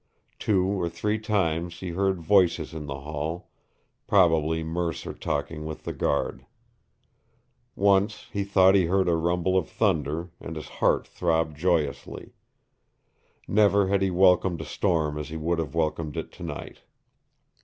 Two or three times he heard voices in the hall, probably Mercer talking with the guard. Once he thought he heard a rumble of thunder, and his heart throbbed joyously. Never had he welcomed a storm as he would have welcomed it tonight.